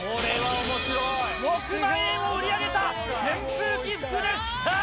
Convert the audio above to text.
６万円を売り上げた扇風機服でした。